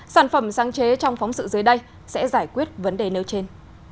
sản phẩm sáng chế trong phóng sự dưới đây sẽ giải quyết vấn đề nêu trên